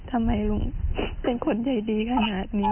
ทำไมลุงเป็นคนใจดีขนาดนี้